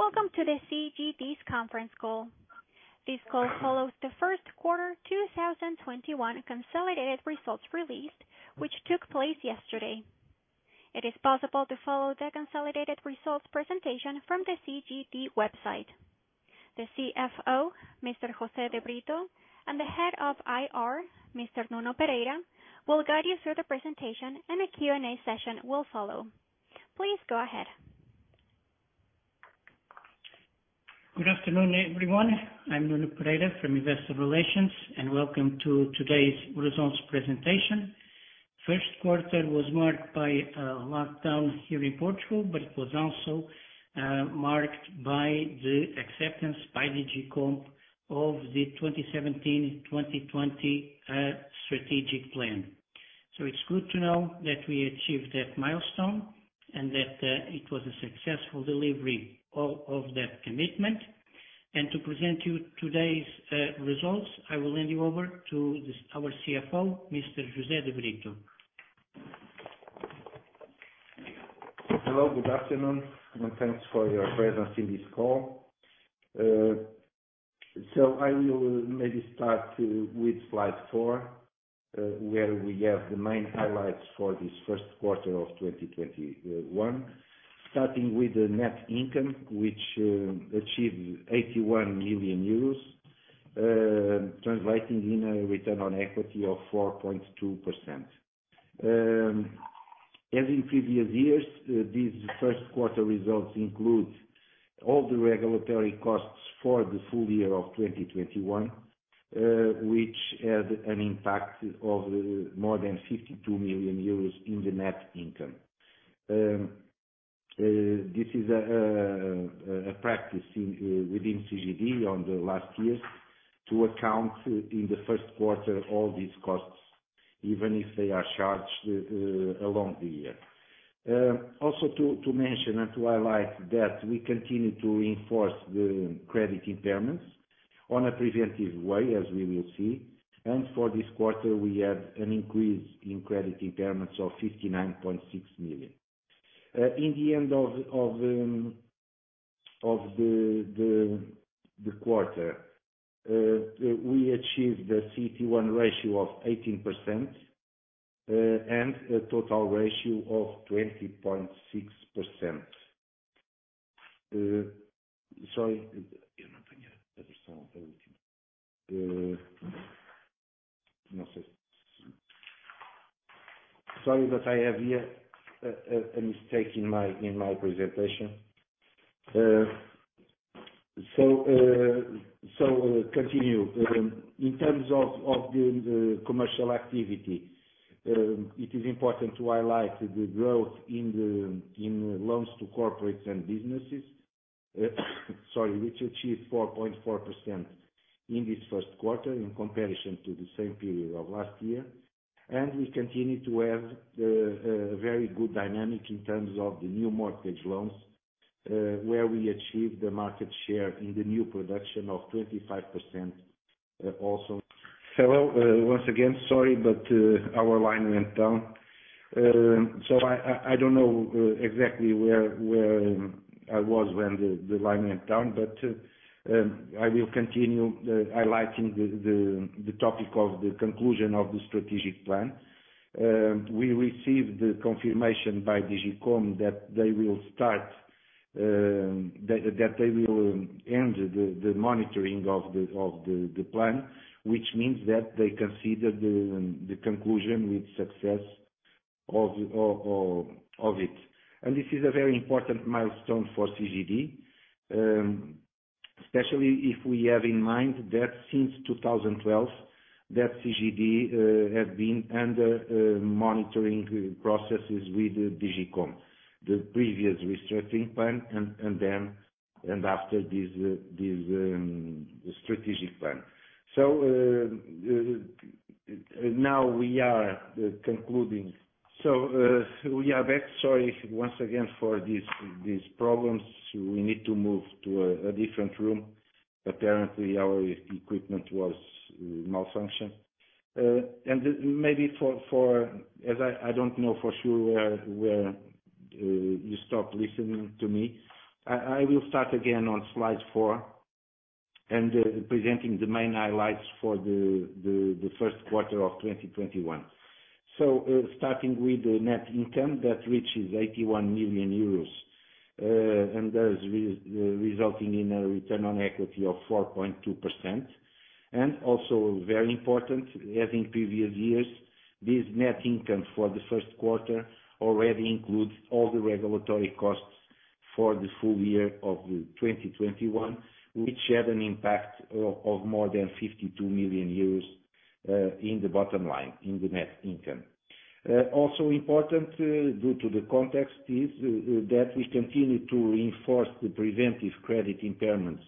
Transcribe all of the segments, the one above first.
Welcome to the CGD's conference call. This call follows the first quarter 2021 consolidated results release, which took place yesterday. It is possible to follow the consolidated results presentation from the CGD website. The CFO, Mr. José de Brito, and the Head of IR, Mr. Nuno Pereira, will guide you through the presentation, and a Q&A session will follow. Please go ahead. Good afternoon, everyone. I'm Nuno Pereira from Investor Relations, and welcome to today's results presentation. First quarter was marked by a lockdown here in Portugal, but it was also marked by the acceptance by DG Comp of the 2017-2020 Strategic Plan. It's good to know that we achieved that milestone, and that it was a successful delivery of that commitment. To present you today's results, I will hand you over to our CFO, Mr. José de Brito. Hello. Good afternoon, and thanks for your presence in this call. I will maybe start with slide four, where we have the main highlights for this first quarter of 2021. Starting with the net income, which achieved 81 million euros, translating in a return on equity of 4.2%. As in previous years, these first quarter results include all the regulatory costs for the full year of 2021, which had an impact of more than 52 million euros in the net income. This is a practice within CGD on the last years to account in the first quarter all these costs, even if they are charged along the year. Also to mention and to highlight that we continue to enforce the credit impairments on a preventive way as we will see. For this quarter, we have an increase in credit impairments of 59.6 million. In the end of the quarter, we achieved a CET1 ratio of 18% and a total ratio of 20.6%. Sorry, that I have here a mistake in my presentation. Continue. In terms of the commercial activity, it is important to highlight the growth in loans to corporates and businesses, which achieved 4.4% in this first quarter in comparison to the same period of last year. We continue to have a very good dynamic in terms of the new mortgage loans, where we achieved the market share in the new production of 25%, also. Hello, once again. Sorry, our line went down. I don't know exactly where I was when the line went down. I will continue highlighting the topic of the conclusion of the strategic plan. We received the confirmation by DG Comp that they will end the monitoring of the plan, which means that they consider the conclusion with success of it. This is a very important milestone for CGD, especially if we have in mind that since 2012, that CGD has been under monitoring processes with DG Comp, the previous restructuring plan and after this strategic plan. Now we are concluding. We are back. Sorry once again for these problems. We need to move to a different room. Apparently, our equipment was malfunction. Maybe as I don't know for sure where you stopped listening to me, I will start again on slide four and presenting the main highlights for the first quarter of 2021. Starting with the net income that reaches 81 million euros, and thus resulting in a return on equity of 4.2%. Also very important, as in previous years, this net income for the first quarter already includes all the regulatory costs for the full year of 2021, which had an impact of more than 52 million euros in the bottom line, in the net income. Important, due to the context, is that we continue to enforce the preventive credit impairments,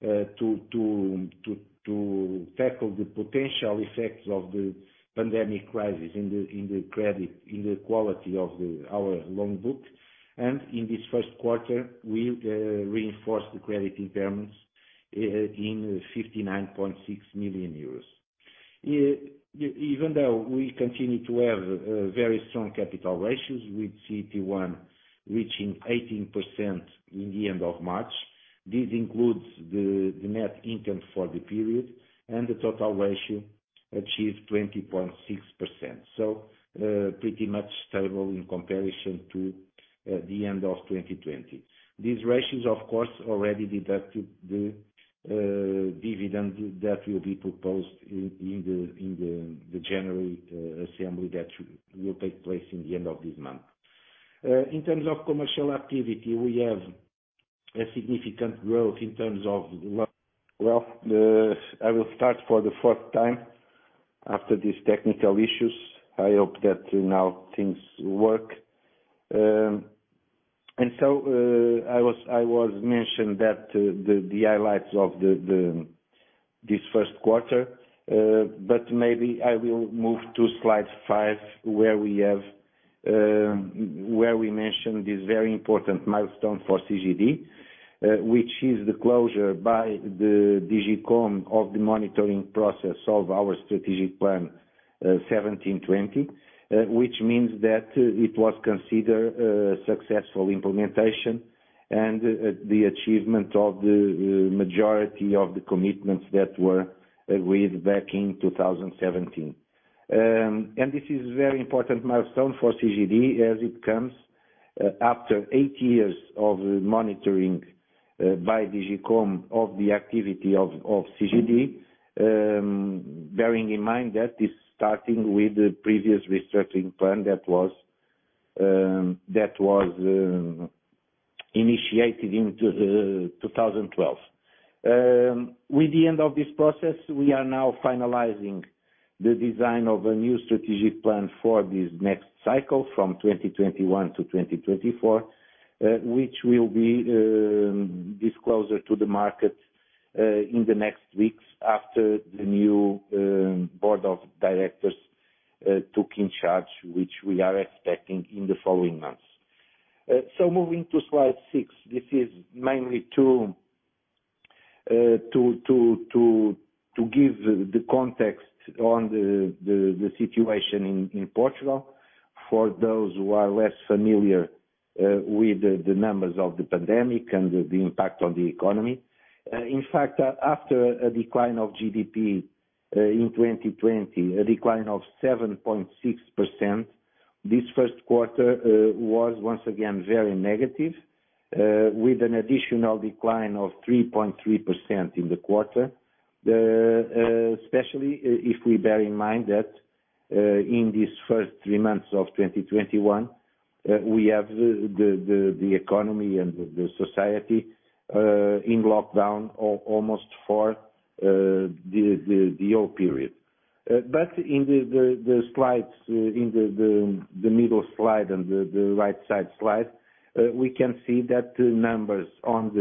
to tackle the potential effects of the pandemic crisis in the credit, in the quality of our loan book. In this first quarter, we reinforced the credit impairments in 59.6 million euros. Even though we continue to have very strong capital ratios with CET1 reaching 18% in the end of March. This includes the net income for the period and the total ratio achieved 20.6%. Pretty much stable in comparison to the end of 2020. These ratios, of course, already deducted the dividend that will be proposed in the general assembly that will take place in the end of this month. In terms of commercial activity, we have a significant growth. Well, I will start for the fourth time after these technical issues. I hope that now things work. I was mentioned that the highlights of this first quarter, but maybe I will move to slide five, where we mentioned this very important milestone for CGD, which is the closure by the DG Comp of the monitoring process of our strategic plan 2017-2020, which means that it was considered a successful implementation and the achievement of the majority of the commitments that were agreed back in 2017. This is very important milestone for CGD as it comes after eight years of monitoring by DG Comp of the activity of CGD, bearing in mind that this starting with the previous restructuring plan that was initiated in 2012. With the end of this process, we are now finalizing the design of a new strategic plan for this next cycle from 2021-2024, which will be disclosure to the market in the next weeks after the new board of directors took in charge, which we are expecting in the following months. Moving to slide six, this is mainly to give the context on the situation in Portugal for those who are less familiar with the numbers of the pandemic and the impact on the economy. In fact, after a decline of GDP in 2020, a decline of 7.6%, this first quarter was once again very negative, with an additional decline of 3.3% in the quarter, especially if we bear in mind that in these first three months of 2021, we have the economy and the society in lockdown almost for the whole period. In the middle slide and the right side slide, we can see that the numbers on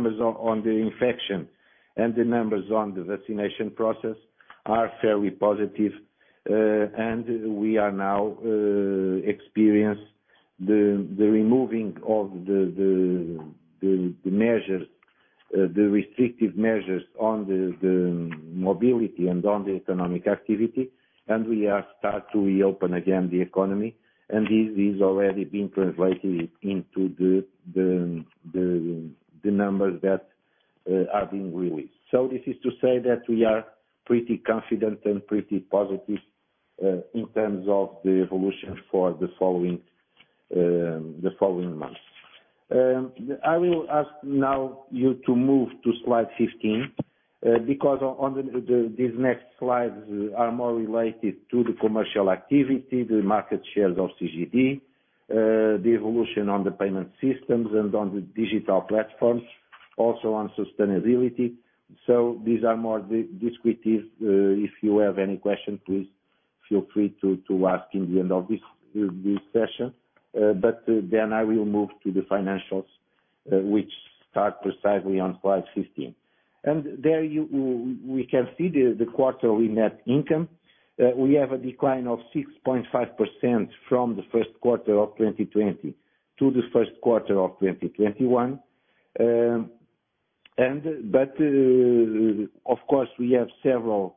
the infection and the numbers on the vaccination process are fairly positive. We are now experience the removing of the restrictive measures on the mobility and on the economic activity. We are start to reopen again the economy. This is already been translated into the numbers that are being released. This is to say that we are pretty confident and pretty positive, in terms of the evolution for the following months. I will ask now you to move to slide 15, because these next slides are more related to the commercial activity, the market shares of CGD, the evolution on the payment systems and on the digital platforms, also on sustainability. These are more descriptive. If you have any question, please feel free to ask in the end of this session. I will move to the financials which start precisely on slide 15. There we can see the quarterly net income. We have a decline of 6.5% from the first quarter of 2020 to the first quarter of 2021. Of course, we have several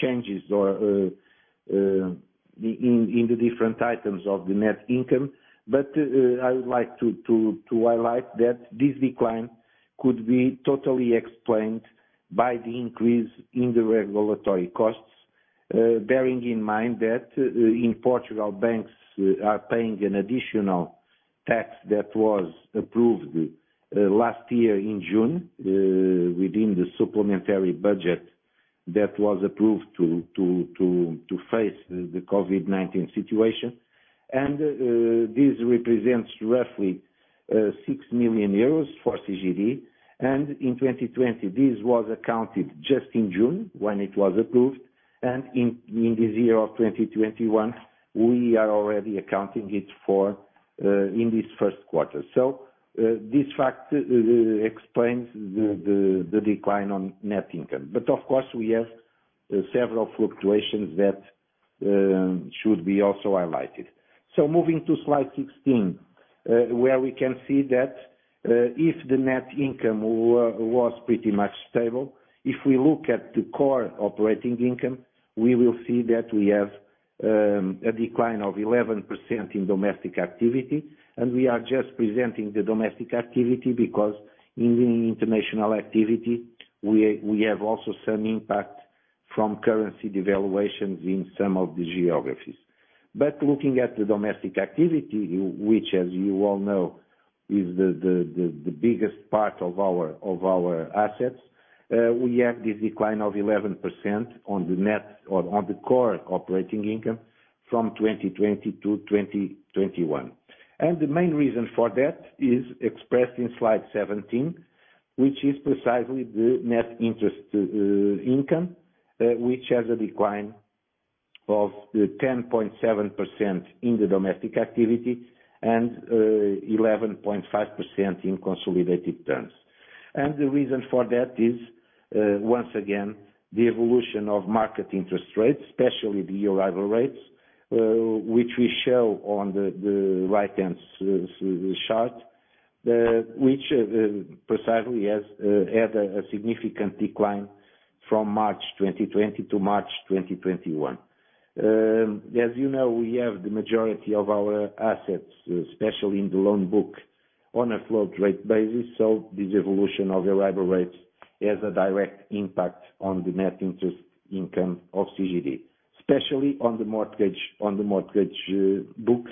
changes in the different items of the net income. I would like to highlight that this decline could be totally explained by the increase in the regulatory costs, bearing in mind that in Portugal, banks are paying an additional tax that was approved last year in June within the supplementary budget that was approved to face the COVID-19 situation. This represents roughly 6 million euros for CGD. In 2020, this was accounted just in June when it was approved. In this year of 2021, we are already accounting it in this first quarter. This fact explains the decline on net income. Of course, we have several fluctuations that should be also highlighted. Moving to slide 16, where we can see that if the net income was pretty much stable, if we look at the core operating income, we will see that we have a decline of 11% in domestic activity, and we are just presenting the domestic activity because in the international activity, we have also some impact from currency devaluations in some of the geographies. Looking at the domestic activity, which as you all know is the biggest part of our assets, we have this decline of 11% on the core operating income from 2020-2021. The main reason for that is expressed in slide 17, which is precisely the net interest income, which has a decline of 10.7% in the domestic activity and 11.5% in consolidated terms. The reason for that is, once again, the evolution of market interest rates, especially the Euribor rates, which we show on the right-hand chart which precisely has had a significant decline from March 2020 to March 2021. As you know, we have the majority of our assets, especially in the loan book, on a float rate basis, so this evolution of Euribor rates has a direct impact on the net interest income of CGD, especially on the mortgage book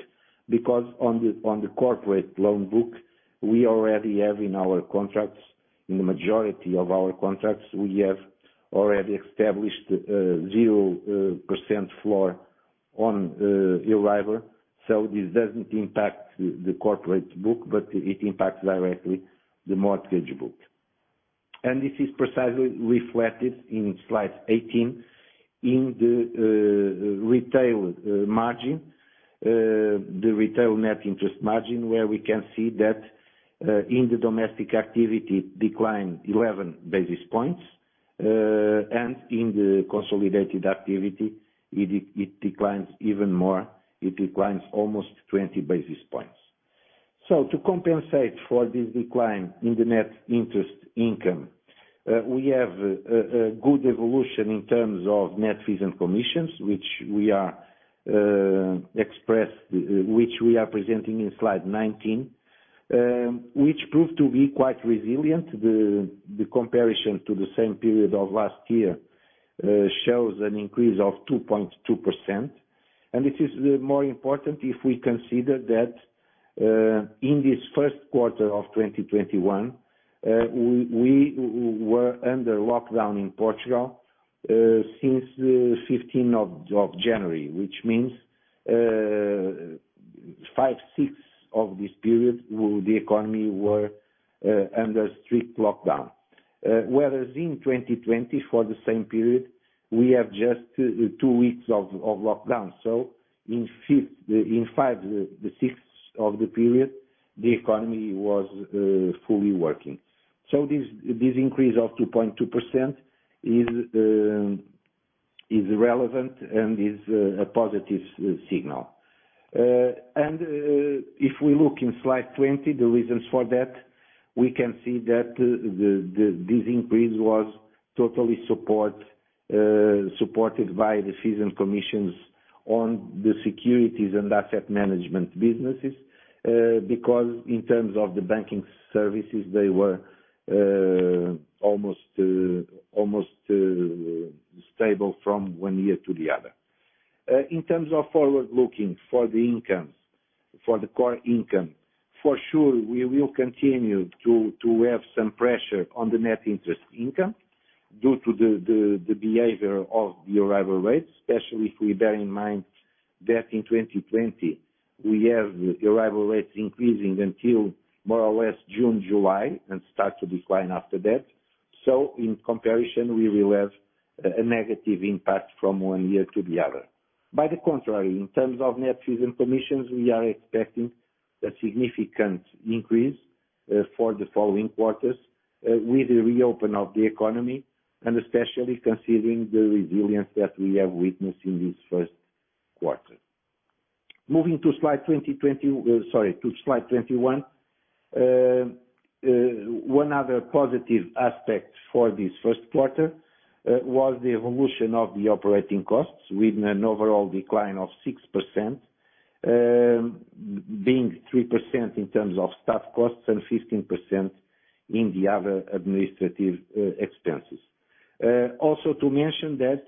because on the corporate loan book, we already have in our contracts, in the majority of our contracts, we have already established 0% floor on Euribor. This doesn't impact the corporate book, but it impacts directly the mortgage book. This is precisely reflected in slide 18 in the retail margin, the retail net interest margin, where we can see that in the domestic activity decline 11 basis points, and in the consolidated activity, it declines even more. It declines almost 20 basis points. To compensate for this decline in the net interest income, we have a good evolution in terms of net fees and commissions, which we are presenting in slide 19, which proved to be quite resilient. The comparison to the same period of last year shows an increase of 2.2%. This is more important if we consider that in this first quarter of 2021, we were under lockdown in Portugal since the 15th of January, which means 5/6 of this period, the economy were under strict lockdown. Whereas in 2020 for the same period, we have just two weeks of lockdown. In five-sixths of the period, the economy was fully working. This increase of 2.2% is relevant and is a positive signal. If we look in slide 20, the reasons for that, we can see that this increase was totally supported by the fees and commissions on the securities and asset management businesses, because in terms of the banking services, they were almost stable from one year to the other. In terms of forward looking for the core income, for sure, we will continue to have some pressure on the net interest income due to the behavior of the Euribor rates, especially if we bear in mind that in 2020, we have Euribor rates increasing until more or less June, July, and start to decline after that. In comparison, we will have a negative impact from one year to the other. By the contrary, in terms of net fees and commissions, we are expecting a significant increase for the following quarters with the reopen of the economy, and especially considering the resilience that we have witnessed in this first quarter. Moving to slide 21. One other positive aspect for this first quarter was the evolution of the operating costs with an overall decline of 6%, being 3% in terms of staff costs and 15% in the other administrative expenses. Also to mention that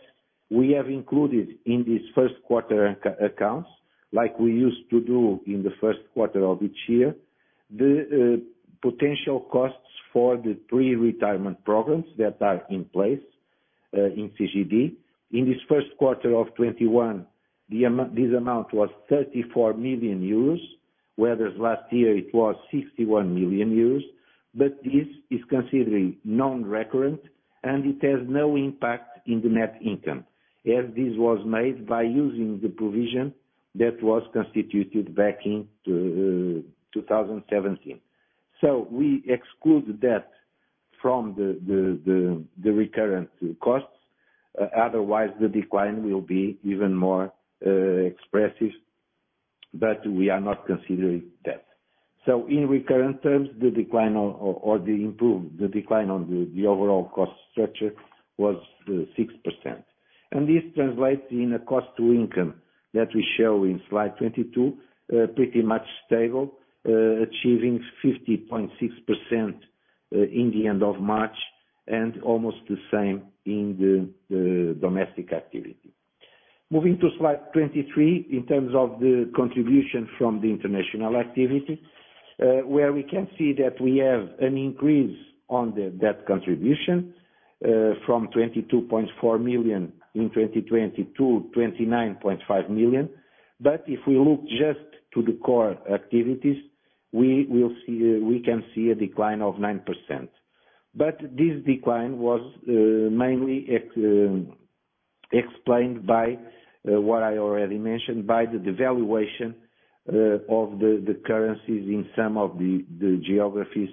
we have included in these first quarter accounts, like we used to do in the first quarter of each year, the potential costs for the pre-retirement programs that are in place in CGD. In this first quarter of 2021, this amount was 34 million euros, whereas last year it was 61 million euros. This is considered non-recurrent, and it has no impact in the net income, as this was made by using the provision that was constituted back in 2017. We exclude that from the recurrent costs. Otherwise, the decline will be even more expressive, but we are not considering that. So in recurrent terms, the decline or improved, the decline of the overall cost structure was 6% and this translates in a cost to income ratio that we show in slide 22, pretty much stable, achieving 50.6% in the end of March, and almost the same in the domestic activity. Moving to slide 23, in terms of the contribution from the international activity, where we can see that we have an increase on that contribution from 22.4 million in 2020 to 29.5 million. If we look just to the core activities, we can see a decline of 9%. This decline was mainly explained by what I already mentioned, by the devaluation of the currencies in some of the geographies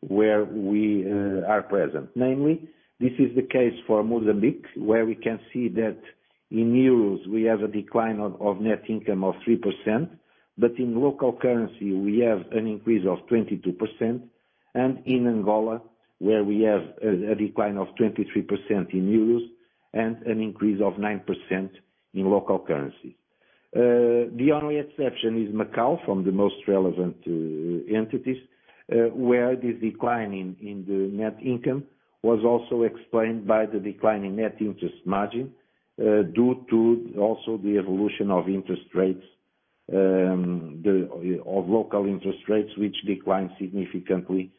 where we are present. Namely, this is the case for Mozambique, where we can see that in euros we have a decline of net income of 3%, but in local currency we have an increase of 22%, and in Angola where we have a decline of 23% in euros and an increase of 9% in local currency. The only exception is Macau from the most relevant entities, where the decline in the net income was also explained by the decline in net interest margin, due to also the evolution of local interest rates, which declined significantly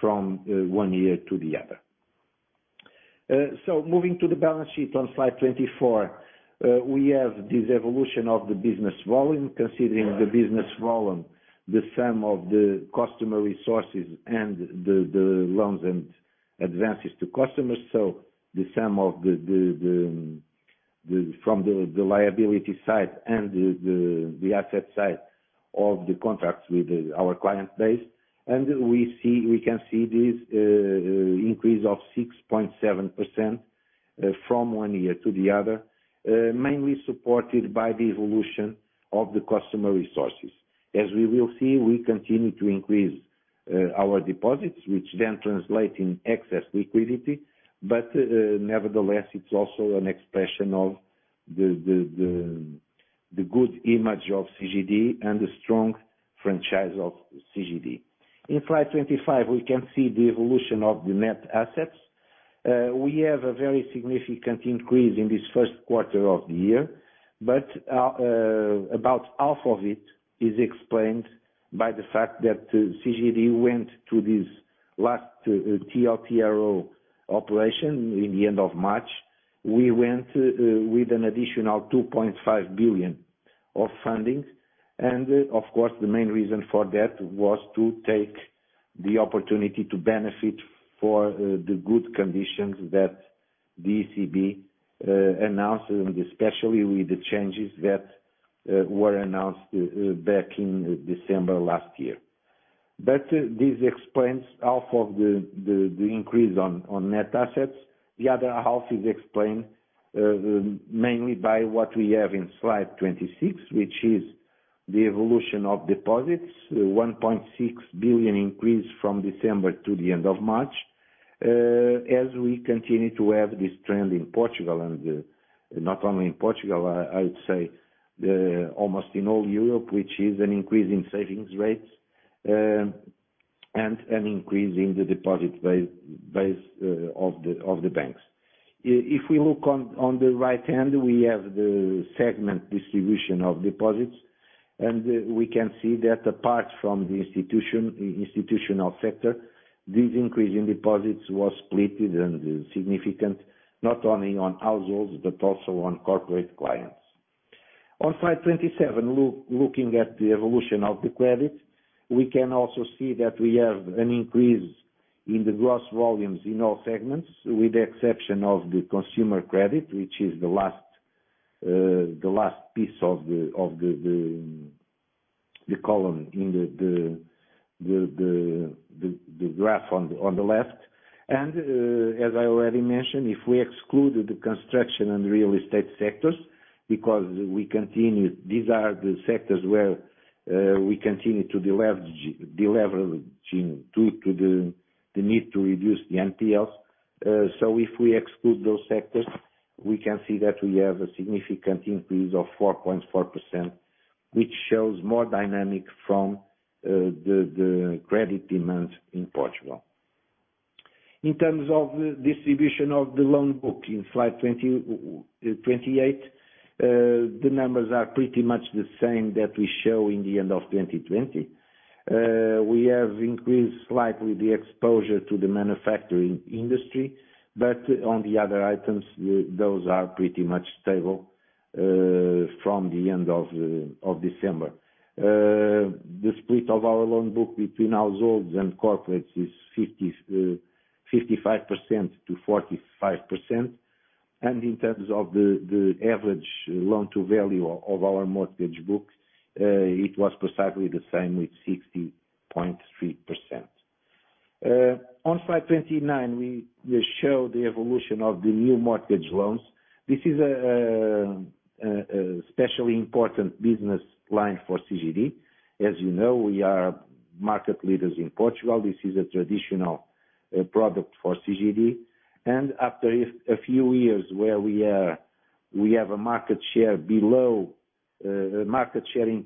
from one year to the other. Moving to the balance sheet on slide 24, we have this evolution of the business volume, considering the business volume, the sum of the customer resources and the loans and advances to customers. The sum from the liability side and the asset side of the contracts with our client base. We can see this increase of 6.7% from one year to the other, mainly supported by the evolution of the customer resources. As we will see, we continue to increase our deposits, which then translate in excess liquidity. Nevertheless, it's also an expression of the good image of CGD and the strong franchise of CGD. In slide 25, we can see the evolution of the net assets. We have a very significant increase in this first quarter of the year, but about half of it is explained by the fact that CGD went to this last TLTRO operation in the end of March. We went with an additional 2.5 billion of fundings. Of course, the main reason for that was to take the opportunity to benefit for the good conditions that the ECB announced, and especially with the changes that were announced back in December last year. This explains half of the increase on net assets. The other half is explained mainly by what we have in slide 26, which is the evolution of deposits, 1.6 billion increase from December to the end of March, as we continue to have this trend in Portugal and not only in Portugal, I would say almost in all Europe, which is an increase in savings rates, and an increase in the deposit base of the banks. If we look on the right hand, we have the segment distribution of deposits, and we can see that apart from the institutional sector, this increase in deposits was split and significant, not only on households but also on corporate clients. On slide 27, looking at the evolution of the credit, we can also see that we have an increase in the gross volumes in all segments, with the exception of the consumer credit, which is the last piece of the column in the graph on the left. As I already mentioned, if we exclude the construction and real estate sectors, because these are the sectors where we continue to deleveraging due to the need to reduce the NPLs. If we exclude those sectors, we can see that we have a significant increase of 4.4%, which shows more dynamic from the credit demands in Portugal. In terms of the distribution of the loan book in slide 28, the numbers are pretty much the same that we show in the end of 2020. We have increased slightly the exposure to the manufacturing industry, but on the other items, those are pretty much stable from the end of December. The split of our loan book between households and corporates is 55%-45%. In terms of the average loan-to-value of our mortgage book, it was precisely the same with 60.3%. On slide 29, we show the evolution of the new mortgage loans. This is an especially important business line for CGD. As you know, we are market leaders in Portugal. This is a traditional product for CGD. After a few years where we have a market share in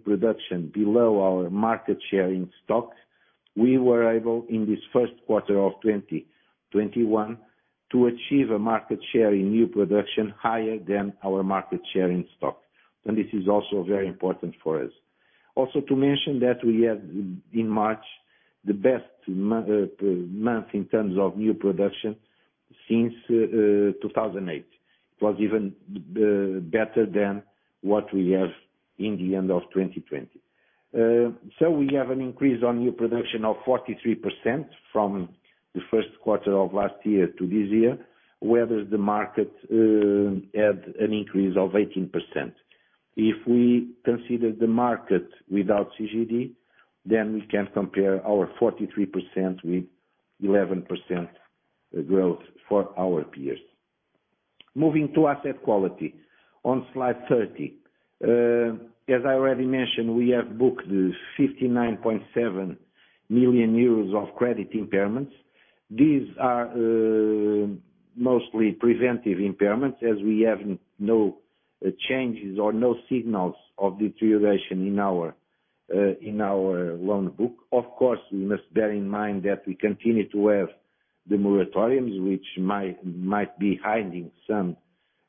production below our market share in stock, we were able, in this first quarter of 2021, to achieve a market share in new production higher than our market share in stock. This is also very important for us. To mention that we had, in March, the best month in terms of new production since 2008. It was even better than what we have in the end of 2020. We have an increase on new production of 43% from the first quarter of last year to this year, whereas the market had an increase of 18%. If we consider the market without CGD, we can compare our 43% with 11% growth for our peers. Moving to asset quality on slide 30. As I already mentioned, we have booked 59.7 million euros of credit impairments. These are mostly preventive impairments, as we have no changes or no signals of deterioration in our loan book. Of course, we must bear in mind that we continue to have the moratoriums, which might be hiding some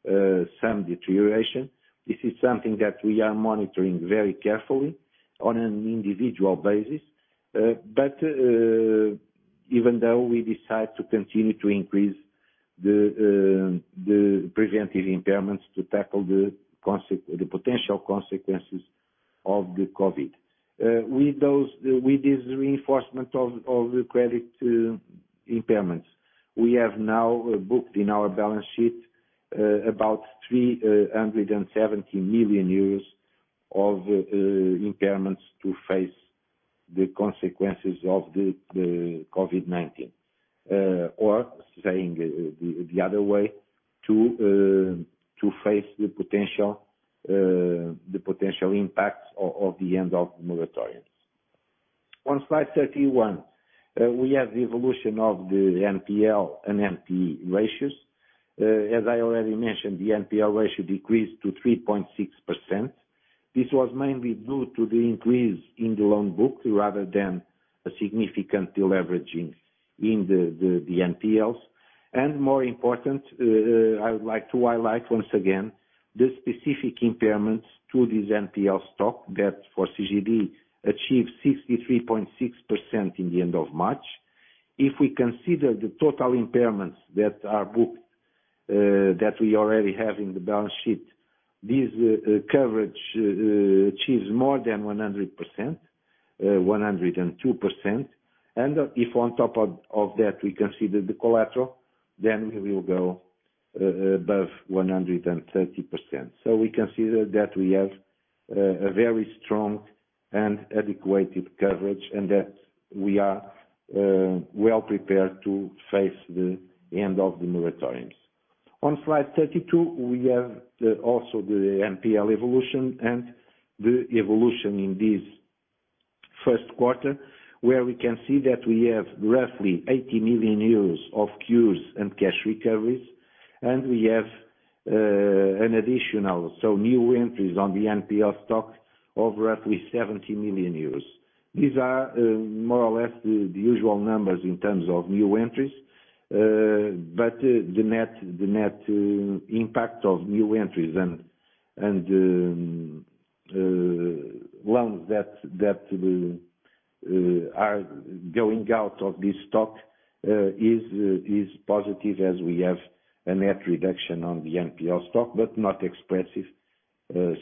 deterioration. This is something that we are monitoring very carefully on an individual basis, even though we decide to continue to increase the preventive impairments to tackle the potential consequences of the COVID. With this reinforcement of the credit impairments, we have now booked in our balance sheet about 317 million euros of impairments to face the consequences of the COVID-19. Saying the other way, to face the potential impacts of the end of the moratoriums. On slide 31, we have the evolution of the NPL and NPE ratios. As I already mentioned, the NPL ratio decreased to 3.6%. This was mainly due to the increase in the loan book rather than a significant deleveraging in the NPLs. More important, I would like to highlight once again the specific impairments to this NPL stock that, for CGD, achieved 63.6% in the end of March. If we consider the total impairments that are booked, that we already have in the balance sheet, this coverage achieves more than 100%, 102%. If on top of that, we consider the collateral, then we will go above 130%. We consider that we have a very strong and adequate coverage, and that we are well prepared to face the end of the moratoriums. On slide 32, we have also the NPL evolution and the evolution in this first quarter, where we can see that we have roughly 80 million euros of cures and cash recoveries, and we have an additional, so new entries on the NPL stock of roughly 70 million euros. These are more or less the usual numbers in terms of new entries, but the net impact of new entries and loans that are going out of this stock is positive, as we have a net reduction on the NPL stock, but not expressive,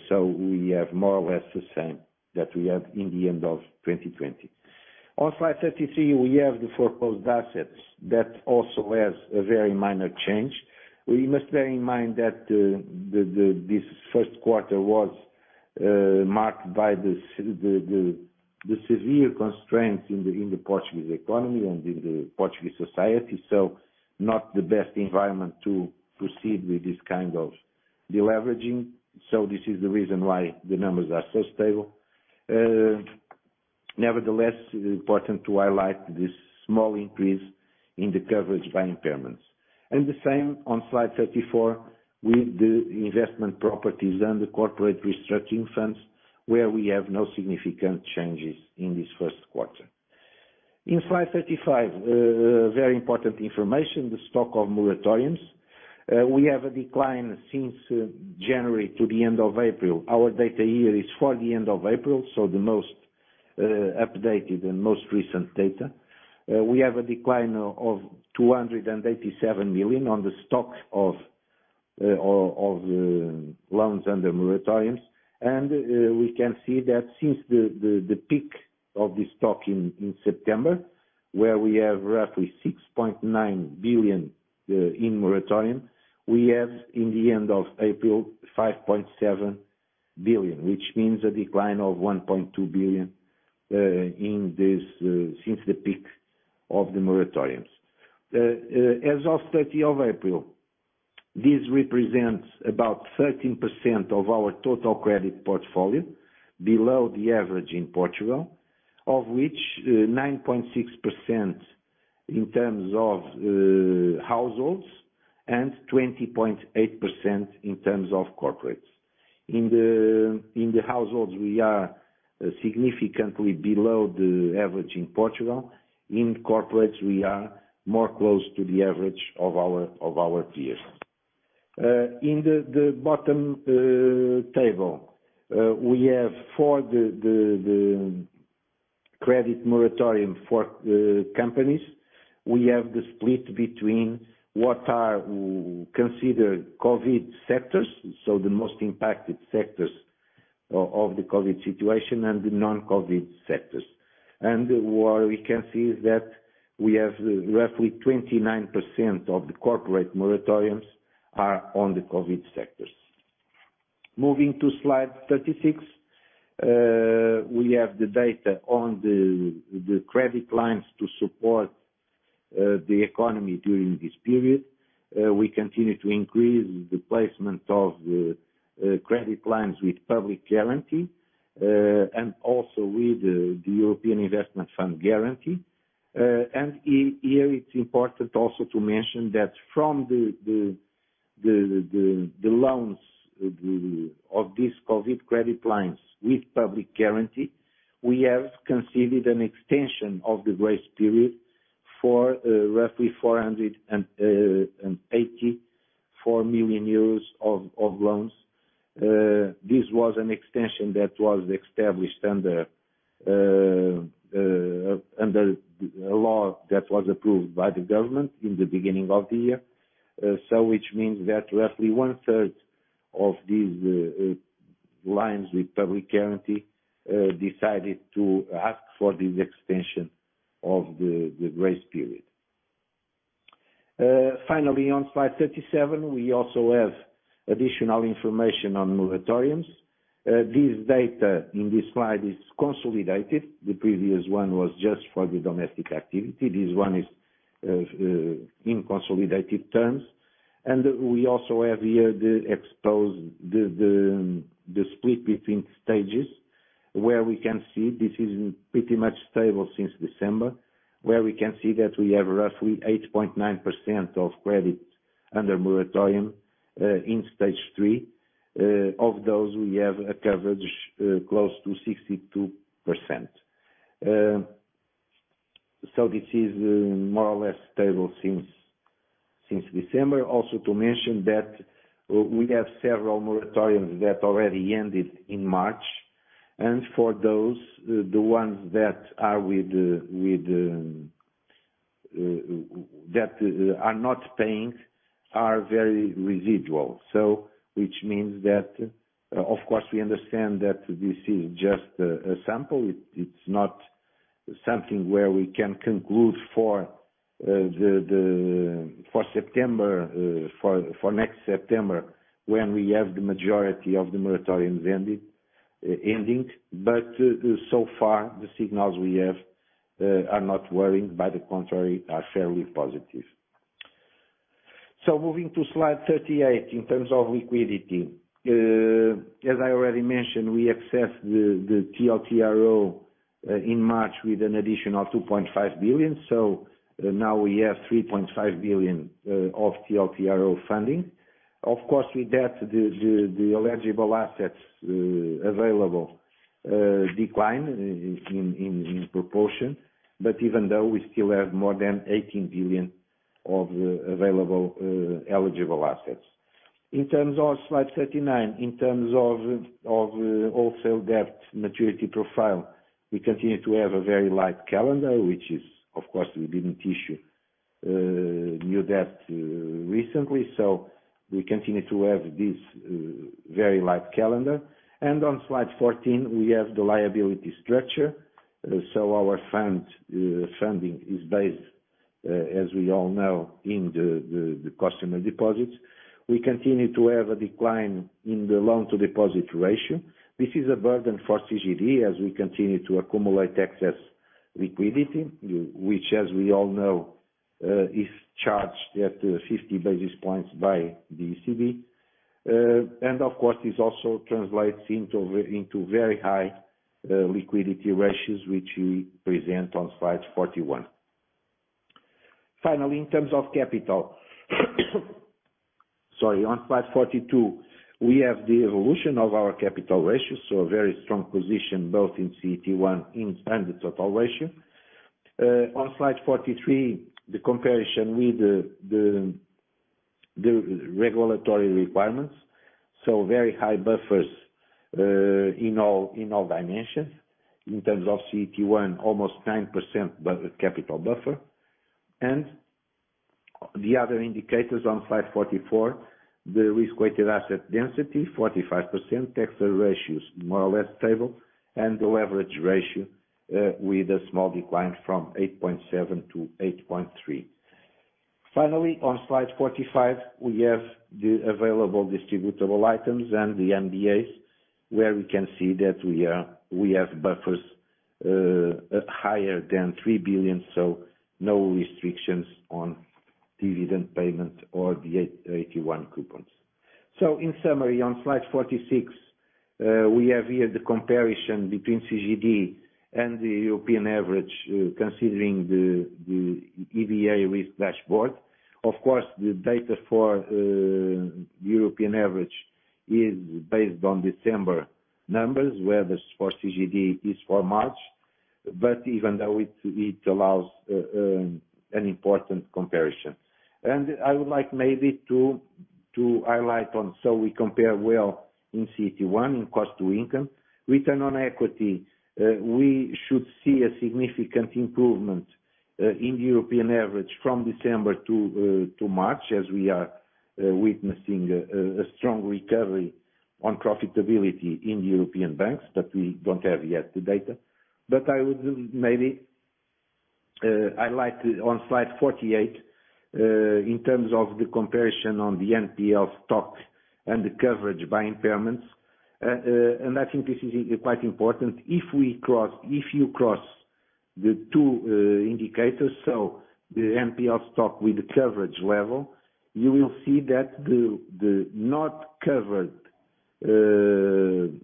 so we have more or less the same that we had in the end of 2020. On slide 33, we have the foreclosed assets. That also has a very minor change. We must bear in mind that this first quarter was marked by the severe constraints in the Portuguese economy and in the Portuguese society, so not the best environment to proceed with this kind of deleveraging. This is the reason why the numbers are so stable. Nevertheless, it is important to highlight this small increase in the coverage by impairments. The same on slide 34 with the investment properties and the corporate restructuring funds, where we have no significant changes in this first quarter. Slide 35, very important information, the stock of moratoriums. We have a decline since January to the end of April. Our data here is for the end of April, so the most updated and most recent data. We have a decline of 287 million on the stock of loans under moratoriums. We can see that since the peak of this stock in September. Where we have roughly 6.9 billion in moratorium, we have in the end of April, 5.7 billion, which means a decline of 1.2 billion since the peak of the moratoriums. As of April 30, this represents about 13% of our total credit portfolio below the average in Portugal, of which 9.6% in terms of households, and 20.8% in terms of corporates. In the households, we are significantly below the average in Portugal. In corporates, we are more close to the average of our peers. In the bottom table, we have for the credit moratorium for companies, we have the split between what are considered COVID sectors, so the most impacted sectors of the COVID situation, and the non-COVID sectors. What we can see is that we have roughly 29% of the corporate moratoriums are on the COVID sectors. Moving to slide 36. We have the data on the credit lines to support the economy during this period. We continue to increase the placement of credit lines with public guarantee, and also with the European Investment Fund guarantee. Here it's important also to mention that from the loans of these COVID credit lines with public guarantee, we have considered an extension of the grace period for roughly 484 million euros of loans. This was an extension that was established under a law that was approved by the government in the beginning of the year. Which means that roughly one-third of these lines with public guarantee decided to ask for this extension of the grace period. Finally, on slide 37, we also have additional information on moratoriums. This data in this slide is consolidated. The previous one was just for the domestic activity. This one is in consolidated terms. We also have here the split between stages, where we can see this is pretty much stable since December. Where we can see that we have roughly 8.9% of credit under moratorium in stage three. Of those, we have a coverage close to 62%. This is more or less stable since December. Also to mention that we have several moratoriums that already ended in March, and for those, the ones that are not paying are very residual. Which means that, of course, we understand that this is just a sample. It's not something where we can conclude for next September when we have the majority of the moratoriums ending. So far the signals we have are not worrying, by the contrary, are fairly positive. Moving to slide 38 in terms of liquidity. As I already mentioned, we accessed the TLTRO in March with an additional 2.5 billion. Now we have 3.5 billion of TLTRO funding. Of course, with that, the eligible assets available decline in proportion. Even though, we still have more than 18 billion of available eligible assets. In terms of slide 39, in terms of wholesale debt maturity profile, we continue to have a very light calendar, which is, of course, we didn't issue new debt recently, so we continue to have this very light calendar. On slide 40, we have the liability structure. Our funding is based, as we all know, in the customer deposits. We continue to have a decline in the loan-to-deposit ratio. This is a burden for CGD as we continue to accumulate excess liquidity, which as we all know is charged at 50 basis points by the ECB. Of course, this also translates into very high liquidity ratios, which we present on slide 41. Finally, in terms of capital. On slide 42, we have the evolution of our capital ratios, so a very strong position both in CET1 and the total ratio. On slide 43, the comparison with the regulatory requirements. Very high buffers in all dimensions. In terms of CET1, almost 9% capital buffer. The other indicators on slide 44, the risk-weighted asset density, 45%, excess ratios more or less stable, and the leverage ratio with a small decline from 8.7:8.3. Finally, on slide 45, we have the available distributable items and the MDA, where we can see that we have buffers higher than 3 billion, no restrictions on dividend payment or the AT1 coupons. In summary, on slide 46, we have here the comparison between CGD and the European average, considering the EBA Risk Dashboard. Of course, the data for European average is based on December numbers, whereas for CGD it is for March. Even though, it allows an important comparison. I would like maybe to highlight on, we compare well in CET1, in cost to income. Return on equity, we should see a significant improvement in the European average from December to March as we are witnessing a strong recovery on profitability in the European banks, we don't have yet the data. I would maybe highlight on slide 48, in terms of the comparison on the NPL stock and the coverage by impairments, I think this is quite important. If you cross the two indicators, so the NPL stock with the coverage level, you will see that the not covered NPLs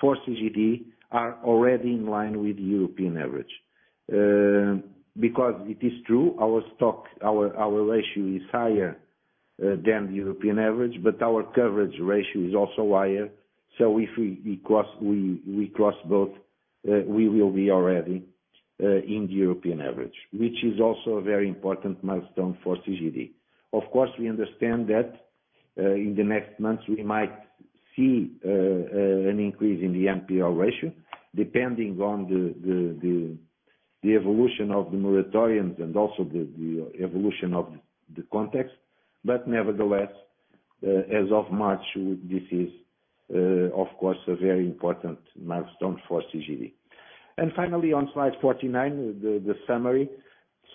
for CGD are already in line with European average. It is true, our ratio is higher than the European average, our coverage ratio is also higher. If we cross both, we will be already in the European average, which is also a very important milestone for CGD. Of course, we understand that in the next months, we might see an increase in the NPL ratio, depending on the evolution of the moratoriums and also the evolution of the context. Nevertheless, as of March, this is, of course, a very important milestone for CGD. Finally, on slide 49, the summary.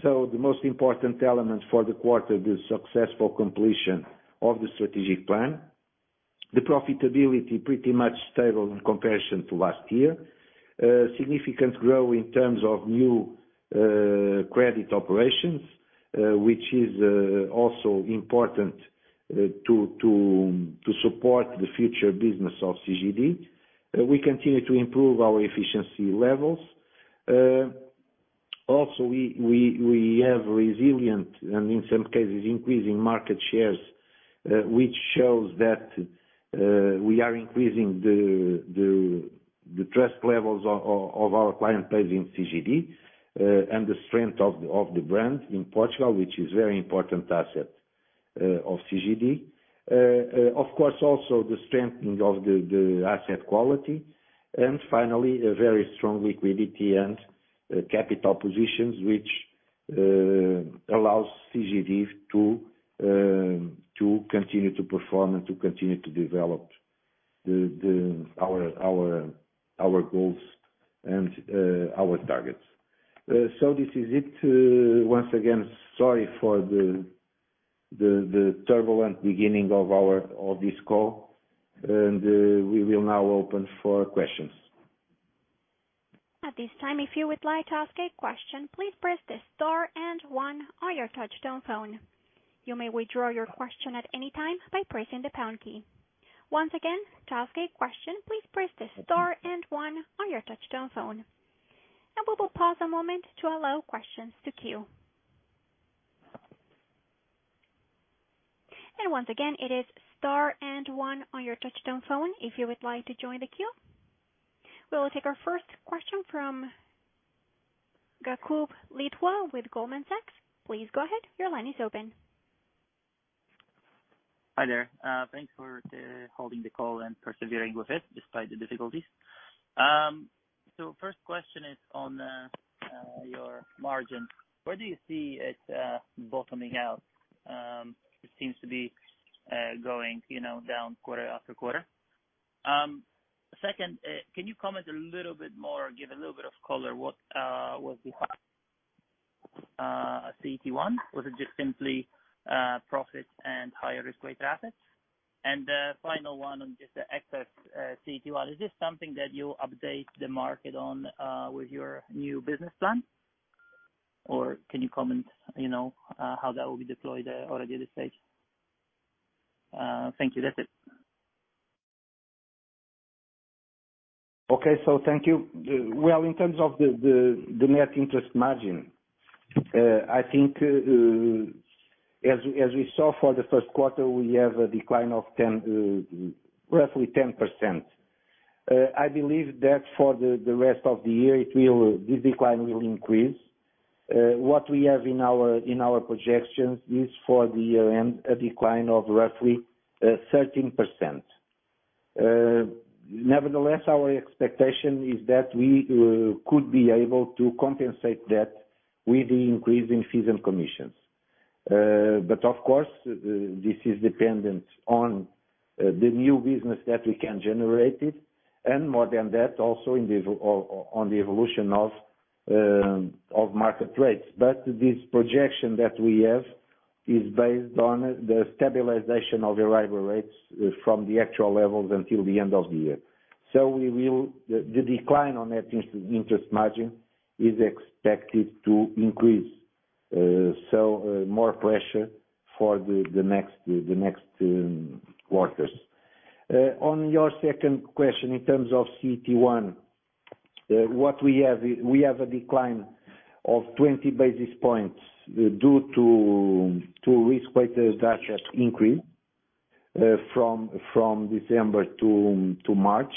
The most important element for the quarter, the successful completion of the strategic plan. The profitability pretty much stable in comparison to last year. Significant growth in terms of new credit operations, which is also important to support the future business of CGD. We continue to improve our efficiency levels. We have resilient, and in some cases, increasing market shares, which shows that we are increasing the trust levels of our client base in CGD, and the strength of the brand in Portugal, which is very important asset of CGD. Also the strengthening of the asset quality, and finally, a very strong liquidity and capital positions, which allows CGD to continue to perform and to continue to develop our goals and our targets. This is it. Once again, sorry for the turbulent beginning of this call. We will now open for questions. At this time, if you would like to ask a question, please press the star and one on your touch-tone phone. You may withdraw your question at any time by pressing the pound key. Once again, if you would like to ask a question, please press the star and one on your touchtone phone. Now we will pause a moment to allow questions to queue. And once again, it is star and one on your touch-tone phone if you would like to join the queue. We will take our first question from Jakub Lichwa with Goldman Sachs. Please go ahead. Your line is open. Hi there. Thanks for holding the call and persevering with it despite the difficulties. First question is on your margin. Where do you see it bottoming out? It seems to be going down quarter after quarter. Second, can you comment a little bit more or give a little bit of color, what was behind CET1? Was it just simply profits and higher risk-weighted assets? Final one on just the excess CET1. Is this something that you update the market on with your new business plan? Or can you comment how that will be deployed already at this stage? Thank you. That's it. Okay. Thank you. Well, in terms of the net interest margin, I think as we saw for the first quarter, we have a decline of roughly 10%. I believe that for the rest of the year, this decline will increase. What we have in our projections is for the year-end, a decline of roughly 13%. Nevertheless, our expectation is that we could be able to compensate that with the increase in fees and commissions. Of course, this is dependent on the new business that we can generate, and more than that, also on the evolution of market rates. This projection that we have is based on the stabilization of Euribor rates from the actual levels until the end of the year. The decline on net interest margin is expected to increase, so more pressure for the next quarters. On your second question, in terms of CET1, we have a decline of 20 basis points due to risk-weighted assets increase from December to March.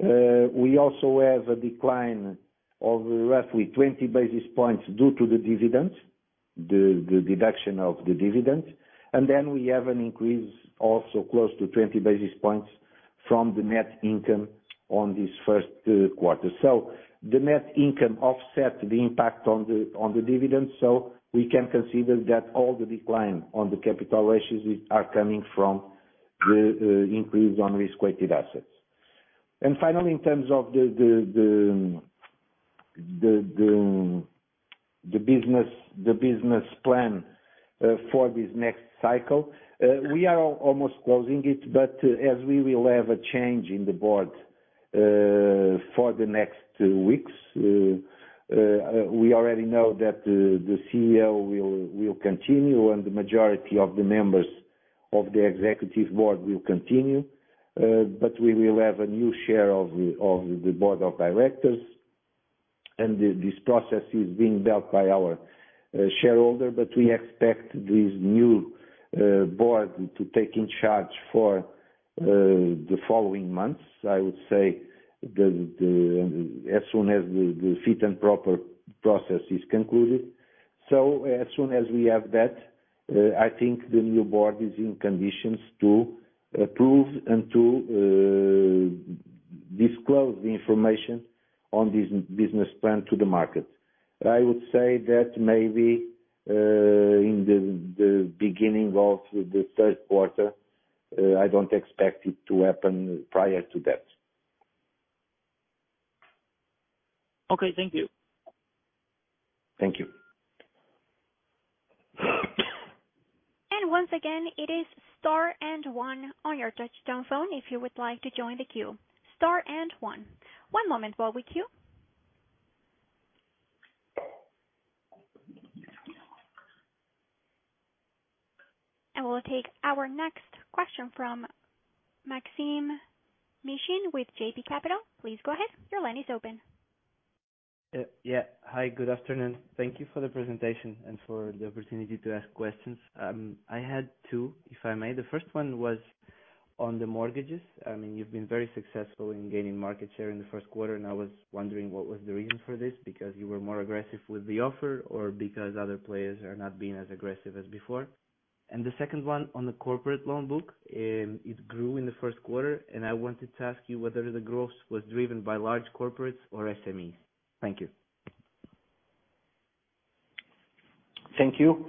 We also have a decline of roughly 20 basis points due to the deduction of the dividends. We have an increase also close to 20 basis points from the net income on this first quarter. The net income offset the impact on the dividends, so we can consider that all the decline on the capital ratios are coming from the increase on risk-weighted assets. Finally, in terms of the business plan for this next cycle, we are almost closing it. As we will have a change in the board for the next weeks, we already know that the CEO will continue and the majority of the members of the executive board will continue. We will have a new chair of the board of directors, and this process is being dealt by our shareholder. We expect this new board to take charge for the following months. I would say, as soon as the fit and proper process is concluded. As soon as we have that, I think the new board is in conditions to approve and to disclose the information on this business plan to the market. I would say that maybe in the beginning of the third quarter. I don't expect it to happen prior to that. Okay. Thank you. Thank you. Once again, it is star and one on your touchtone phone if you would like to join the queue. Star and one. One moment while we queue. We'll take our next question from Maksym Mishyn with JB Capital. Please go ahead. Your line is open. Yeah. Hi, good afternoon. Thank you for the presentation and for the opportunity to ask questions. I had two, if I may. The first one was on the mortgages. You've been very successful in gaining market share in the first quarter, and I was wondering what was the reason for this, because you were more aggressive with the offer or because other players are not being as aggressive as before? The second one on the corporate loan book, it grew in the first quarter, and I wanted to ask you whether the growth was driven by large corporates or SMEs. Thank you. Thank you.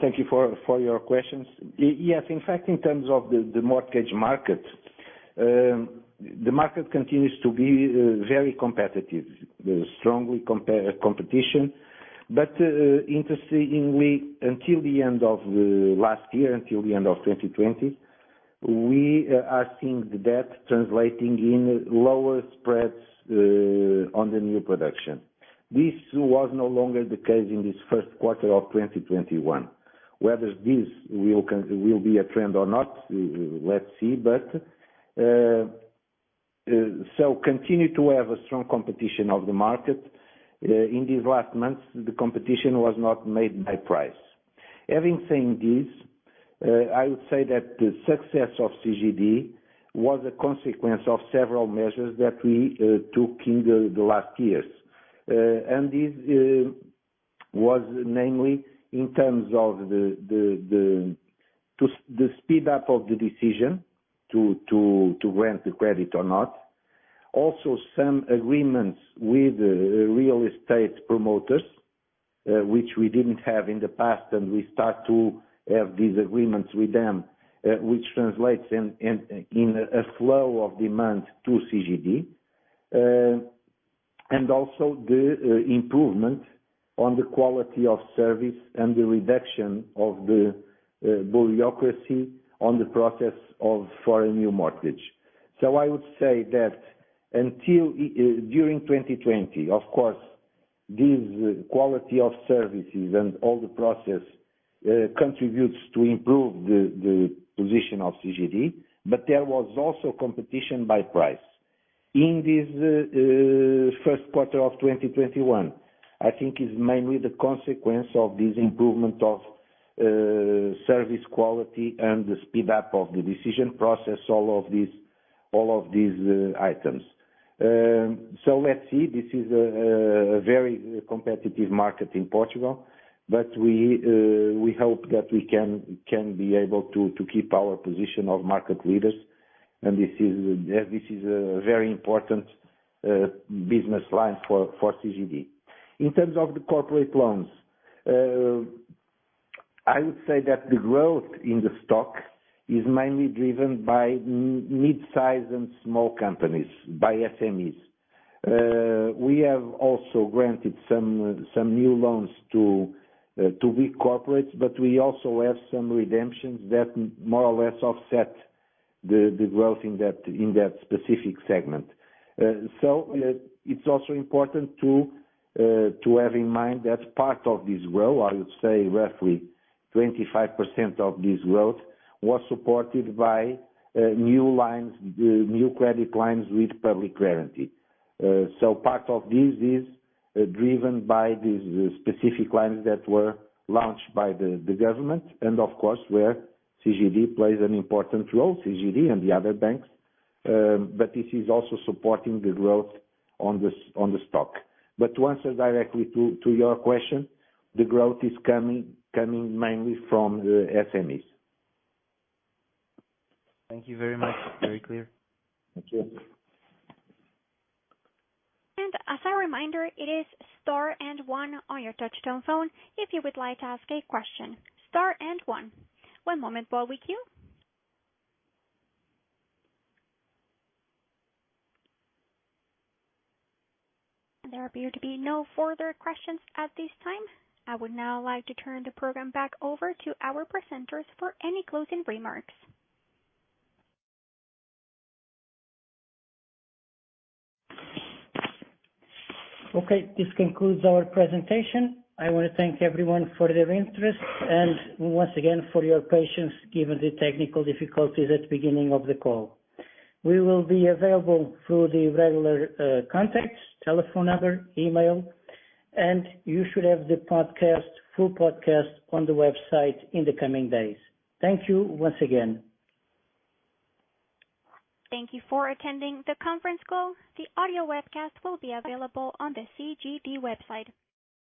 Thank you for your questions. Yes, in fact, in terms of the mortgage market, the market continues to be very competitive. There is strong competition. Interestingly, until the end of last year, until the end of 2020, we are seeing the debt translating in lower spreads on the new production. This was no longer the case in this first quarter of 2021. Whether this will be a trend or not, let us see. Continue to have a strong competition of the market. In these last months, the competition was not made by price. Having said this, I would say that the success of CGD was a consequence of several measures that we took in the last years. This was namely in terms of the speed up of the decision to grant the credit or not. Also, some agreements with real estate promoters, which we didn't have in the past, and we start to have these agreements with them, which translates in a flow of demand to CGD. Also, the improvement on the quality of service and the reduction of the bureaucracy on the process for a new mortgage. I would say that during 2020, of course, this quality of services and all the process contributes to improve the position of CGD, but there was also competition by price. In this first quarter of 2021, I think it's mainly the consequence of this improvement of service quality and the speed up of the decision process, all of these items. Let's see, this is a very competitive market in Portugal, but we hope that we can be able to keep our position of market leaders. This is a very important business line for CGD. In terms of the corporate loans, I would say that the growth in the stock is mainly driven by midsize and small companies, by SMEs. We have also granted some new loans to big corporates, but we also have some redemptions that more or less offset the growth in that specific segment. It's also important to have in mind that part of this growth, I would say roughly 25% of this growth, was supported by new credit lines with public guarantee. Part of this is driven by these specific lines that were launched by the government and, of course, where CGD plays an important role, CGD and the other banks, but this is also supporting the growth on the stock. To answer directly to your question, the growth is coming mainly from the SMEs. Thank you very much. Very clear. Thank you. As a reminder, it's star one on your touchtone telephone if you would like to ask a question. Star and one. There appear to be no further questions at this time. I would now like to turn the program back over to our presenters for any closing remarks. Okay. This concludes our presentation. I want to thank everyone for their interest and once again for your patience, given the technical difficulties at the beginning of the call. We will be available through the regular contacts, telephone number, email, and you should have the full podcast on the website in the coming days. Thank you once again. Thank you for attending the conference call. The audio webcast will be available on the CGD website.